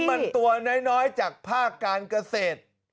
มันตัวน้อยจากภาคการเกษตร